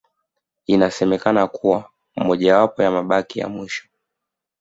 Inasemekana kuwa mojawapo ya mabaki ya mwisho